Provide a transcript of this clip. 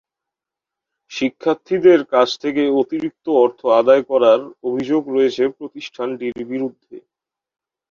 শিক্ষার্থীদের কাছ থেকে অতিরিক্ত অর্থ আদায় করার অভিযোগ রয়েছে প্রতিষ্ঠানটির বিরুদ্ধে।